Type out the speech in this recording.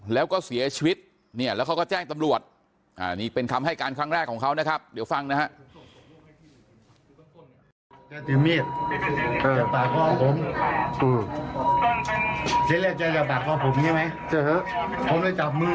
แล้วก็เสียชีวิตเนี่ยแล้วเขาก็แจ้งตำรวจนี่เป็นคำให้การครั้งแรกของเขานะครับเดี๋ยวฟังนะฮะ